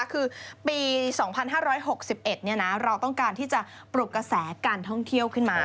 คือปี๒๕๖๑เราต้องการที่จะปลุกกระแสการท่องเที่ยวขึ้นมา